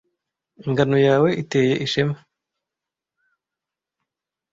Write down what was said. Ingano yawe iteye ishema